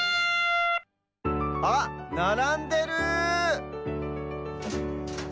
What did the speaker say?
あっならんでる！